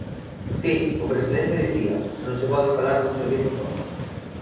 Si, o presidente dicía: non se pode falar dun servizo só.